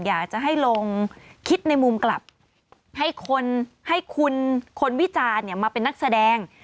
อยากจะให้ลองคิดในมุมกลับให้คนให้คุณคนวิจารณ์มาเป็นนักแสดง